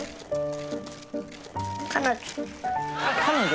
彼女？